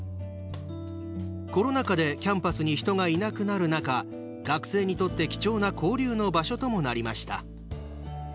コロナ禍でキャンパスに人がいなくなる中学生にとって貴重な交流の場所ともなりました。